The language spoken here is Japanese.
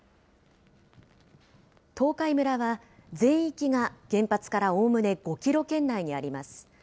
東海村は、全域が原発からおおむね５キロ圏内にあります。